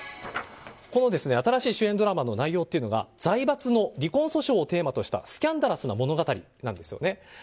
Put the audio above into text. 新しい主演ドラマの内容というのが財閥の離婚訴訟をテーマとしたスキャンダラスな物語なんですよね。